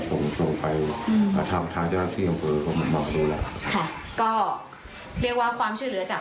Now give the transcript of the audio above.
ชงชงไปอืมอืมถ้าถ้าจะมันบอกค่ะก็เรียกว่าความช่วยเหลือจาก